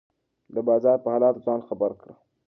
د بازار په حالاتو ځان خبر کړه.